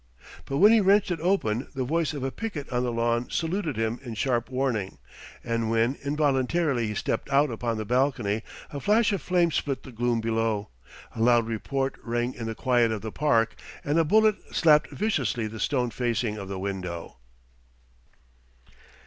But when he wrenched it open the voice of a picket on the lawn saluted him in sharp warning; and when, involuntarily, he stepped out upon the balcony, a flash of flame split the gloom below, a loud report rang in the quiet of the park, and a bullet slapped viciously the stone facing of the window.